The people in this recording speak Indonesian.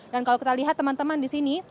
dan kalau kita lihat teman teman di sini